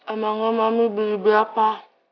emangnya mami beli berapa